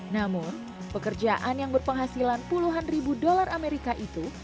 namun pekerjaan yang berpenghasilan puluhan ribu dolar amerika itu